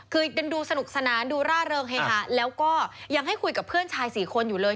คือดูสนุกสนานดูร่าเริงเฮฮาแล้วก็ยังให้คุยกับเพื่อนชายสี่คนอยู่เลย